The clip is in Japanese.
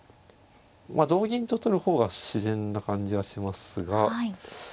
同銀と取る方が自然な感じはしますが。